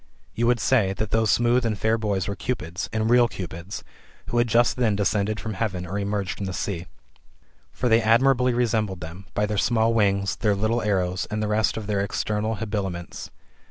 You would say, that those smooth and fair boys were Cupids, and real Cupids, who had just then descended fiom heaven, or emerged from the sea. For they admirably resembled them, by their small wings, their little arrows, and the rest of their external habiliments.